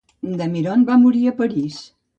Damiron va morir a París.